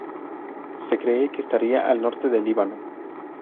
Se cree que estaría al norte del Líbano.